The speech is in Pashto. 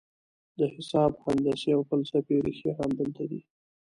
د حساب، هندسې او فلسفې رېښې همدلته دي.